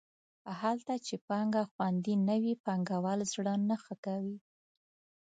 هلته چې پانګه خوندي نه وي پانګوال زړه نه ښه کوي.